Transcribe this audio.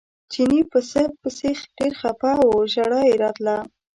چیني پسه پسې ډېر خپه و ژړا یې راتله.